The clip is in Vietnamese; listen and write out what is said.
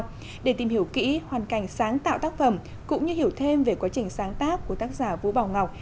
chúng ta sẽ tìm hiểu kỹ hoàn cảnh sáng tạo tác phẩm cũng như hiểu thêm về quá trình sáng tác của tác giả vũ bảo ngọc